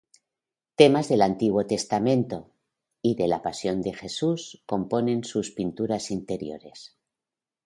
Temas del Antiguo Testamento y de la Pasión de Jesús componen sus pinturas interiores.